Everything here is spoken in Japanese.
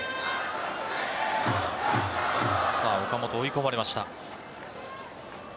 岡本、追い込まれました。